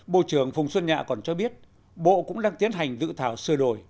bộ trưởng phùng xuân nhạ còn cho biết bộ cũng đang tiến hành dự thảo sửa đổi